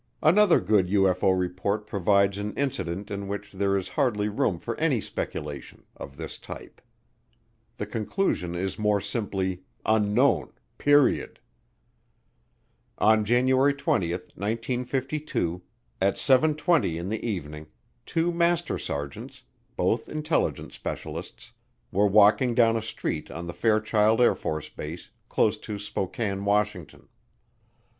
Another good UFO report provides an incident in which there is hardly room for any speculation of this type. The conclusion is more simply, "Unknown," period. On January 20, 1952, at seven twenty in the evening, two master sergeants, both intelligence specialists, were walking down a street on the Fairchild Air Force Base, close to Spokane, Washington.